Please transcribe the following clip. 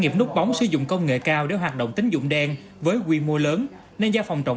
nghiệp nút bóng sử dụng công nghệ cao để hoạt động tính dụng đen với quy mô lớn nên do phòng trọng